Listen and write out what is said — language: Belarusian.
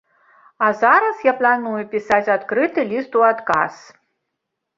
А зараз я планую пісаць адкрыты ліст у адказ.